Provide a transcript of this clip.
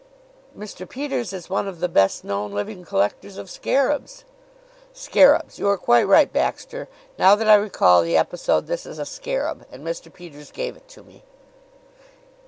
"Mr. Peters is one of the best known living collectors of scarabs." "Scarabs! You are quite right, Baxter. Now that I recall the episode, this is a scarab; and Mr. Peters gave it to me."